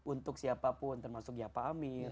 untuk siapapun termasuk ya pak amir